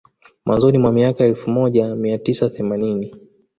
Mwanzoni mwa miaka ya elfu moja mia tisa themanini